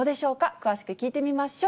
詳しく聞いてみましょう。